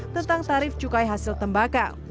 tentang tarif cukai hasil tembakau